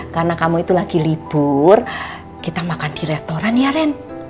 karena kamu itu lagi libur kita makan di restoran ya ren